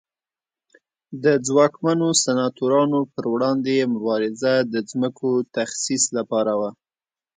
د ځواکمنو سناتورانو پر وړاندې یې مبارزه د ځمکو تخصیص لپاره وه